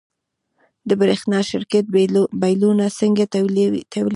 د برښنا شرکت بیلونه څنګه ټولوي؟